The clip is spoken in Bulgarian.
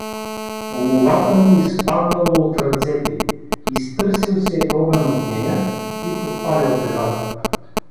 Лулата му изпаднала от ръцете, изтърсил се огън от нея и подпалил тревата.